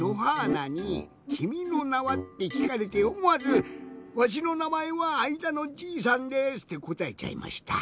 なに「君の名は。」ってきかれておもわず「わしのなまえはあいだのじいさんです」ってこたえちゃいました。